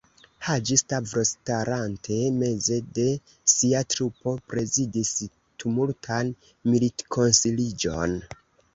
Haĝi-Stavros, starante meze de sia trupo, prezidis tumultan militkonsiliĝon.